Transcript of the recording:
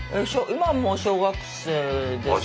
今もう小学生です。